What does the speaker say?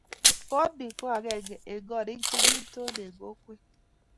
koot ni ko agenge eng' koriik che kinton eng' kokwet